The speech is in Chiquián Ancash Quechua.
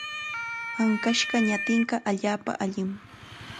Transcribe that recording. Ankashqa ñatinqa allaapa allim.